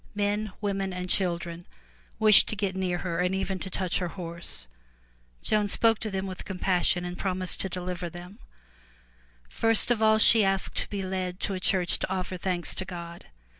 Men, women and children wished to get near her and even to touch her horse. Joan spoke to them with compassion and promised to deliver them. First of all she asked to be led to a church to offer thanks to God.